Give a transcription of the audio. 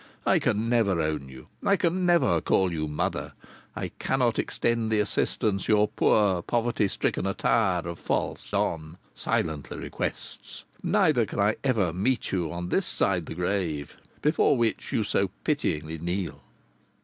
I can never own you; I can never call you mother; I cannot extend the assistance your poor, poverty stricken attire of false don silently requests; neither can I ever meet you on this side the grave, before which you so pityingly kneel!"